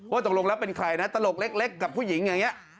ตกลงแล้วเป็นใครนะตลกเล็กกับผู้หญิงอย่างนี้